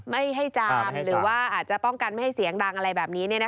ไม่ให้จามหรือว่าอาจจะป้องกันไม่ให้เสียงดังอะไรแบบนี้